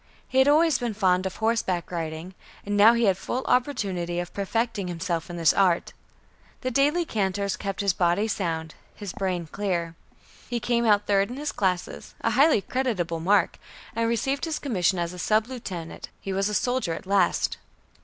He had always been fond of horseback riding, and now he had full opportunity of perfecting himself in this art. The daily canters kept his body sound, his brain clear. He came out third in his classes, a highly creditable mark, and received his commission as a sub lieutenant. He was a soldier at last.